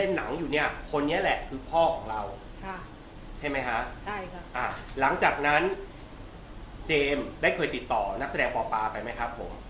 หลังจากนั้นเจมส์ได้เคยติดต่อนักแสดงปอปาไปไหมครับผม